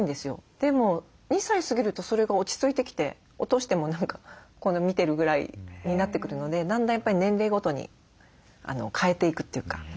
でも２歳過ぎるとそれが落ち着いてきて落としても何かこんな見てるぐらいになってくるのでだんだんやっぱり年齢ごとに変えていくというか。